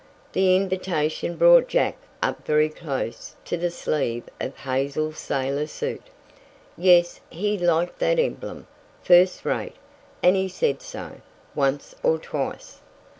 The invitation brought Jack up very close to the sleeve of Hazel's sailor suit. Yes, he liked that emblem, first rate, and he said so, once or twice.